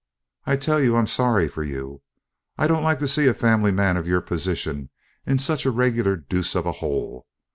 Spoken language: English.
I tell you I'm sorry for you. I don't like to see a family man of your position in such a regular deuce of a hole.